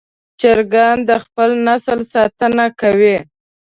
چرګان د خپل نسل ساتنه کوي.